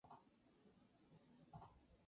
Viajó por Italia.